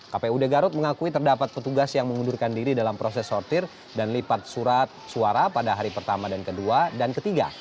kpud garut mengakui terdapat petugas yang mengundurkan diri dalam proses sortir dan lipat surat suara pada hari pertama dan kedua dan ketiga